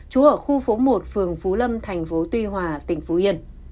chú ở khu phố một phường phú lâm thành phố tuy hòa tỉnh phú yên